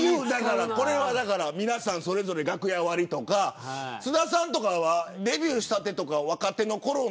皆さん、それぞれ楽屋割りとか菅田さんとかはデビューしたてとか若手のころ